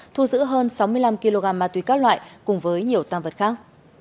thu giữ hơn sáu mươi năm kg ma túy các loại cùng với nhiều tam vật khác